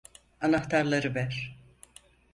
Anahtarları ver.